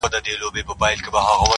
او دې ته مستې بې باکې قهقهې نه ورځي